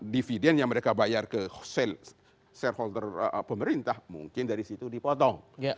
dividen yang mereka bayar ke shareholder pemerintah mungkin dari situ dipotong